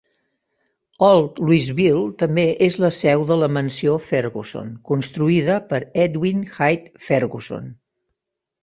Old Louisville també és la seu de la Mansió Ferguson, construïda per Edwin Hite Ferguson.